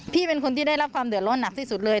เป็นคนที่ได้รับความเดือดร้อนหนักที่สุดเลย